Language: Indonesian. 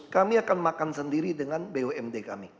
kami akan makan sendiri dengan bumd kami